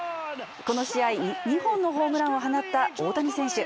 この試合、２本のホームランを放った大谷選手。